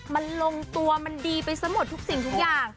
มันลงตัวมันดีไปซะหมดทุกสิ่งทุกอย่าง